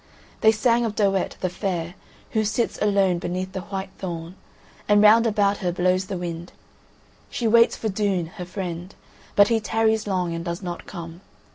They sang of Doette the fair who sits alone beneath the white thorn, and round about her blows the wind. She waits for Doon, her friend, but he tarries long and does not come.